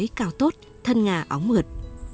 cây cói cao tốt thân ngà óng mượt